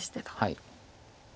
はい。